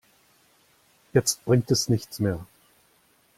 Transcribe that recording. Jetzt bringt es nichts mehr.